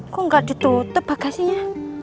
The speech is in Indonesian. kok gak ditutup bagasinya